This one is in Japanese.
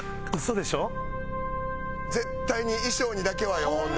絶対に衣装にだけはよほんで。